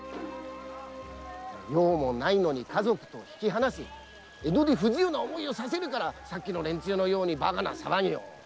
用もないのに家族と引き離し江戸で不自由な思いをさせるからさっきの連中のようにバカな騒ぎを。